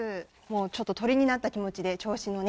ちょっと鳥になった気持ちで銚子のね